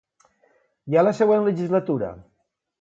I a la següent legislatura?